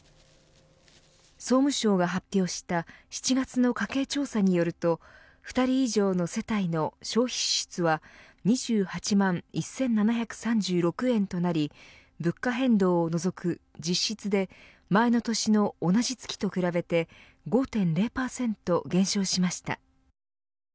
総務省が発表した７月の家計調査によると２人以上の世帯の消費支出は２８万１７３６円となり物価変動を除く実質で前の年の同じ月と比べて５．０％減少しました。